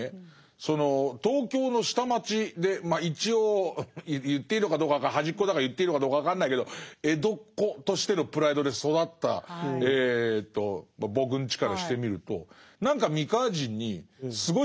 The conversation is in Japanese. その東京の下町で一応言っていいのかどうか分からない端っこだから言っていいのかどうか分かんないけど江戸っ子としてのプライドで育った僕んちからしてみると何かそうですよね